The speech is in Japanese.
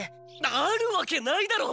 あるわけないだろ。